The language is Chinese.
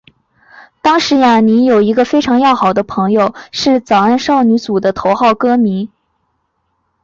当时亚弥有一个非常要好的朋友是早安少女组的头号歌迷。